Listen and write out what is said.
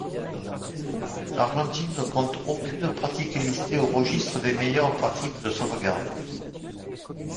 L'Argentine ne compte aucune pratique listée au registre des meilleures pratiques de sauvegarde.